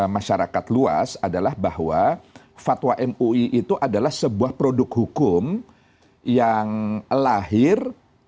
masyarakat luas adalah bahwa fatwa mui itu adalah sebuah produk hukum yang lahir